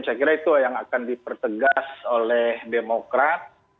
saya kira itu yang akan dipertegas oleh demokrat